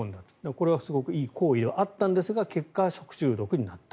これはすごくいい行為ではあったんですが結果、食中毒になった。